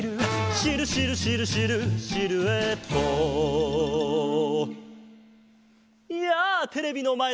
「シルシルシルシルシルエット」やあテレビのまえのみんな！